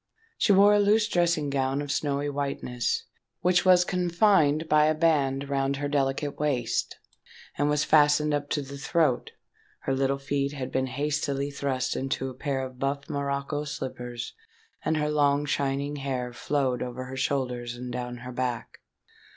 She wore a loose dressing gown of snowy whiteness, which was confined by a band round her delicate waist, and was fastened up to the throat: her little feet had been hastily thrust into a pair of buff morocco slippers; and her long shining hair flowed over her shoulders and down her back.